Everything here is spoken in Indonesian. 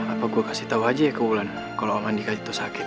apa gue kasih tau aja ya ke bulan kalau oman dikait itu sakit